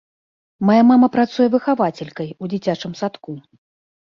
Мая мама працуе выхавацелькай у дзіцячым садку.